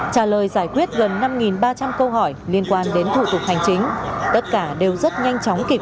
trả lời giải quyết gần năm ba trăm linh câu hỏi liên quan đến thủ tục hành chính tất cả đều rất nhanh chóng kịp